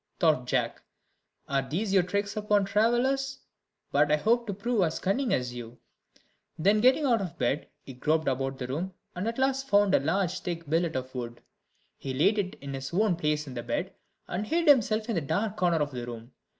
thought Jack. "Are these your tricks upon travellers? But I hope to prove as cunning as you." Then getting out of bed, he groped about the room, and at last found a large thick billet of wood; he laid it in his own place in the bed, and hid himself in a dark corner of the room.